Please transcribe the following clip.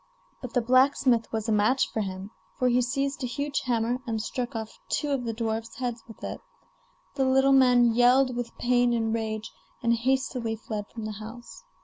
But the blacksmith was a match for him, for he seized a huge hammer and struck off two of the dwarf's heads with it. The little man yelled with pain and rage, and hastily fled from the house.